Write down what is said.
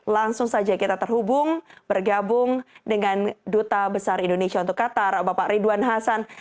langsung saja kita terhubung bergabung dengan duta besar indonesia untuk qatar bapak ridwan hasan